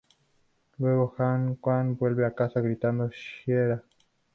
Luego, Hawkman vuelve a casa gritando "Shiera"..